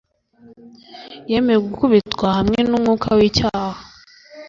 yemeye gukubitwa hamwe n'umwuka w'icyaha